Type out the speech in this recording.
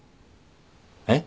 えっ？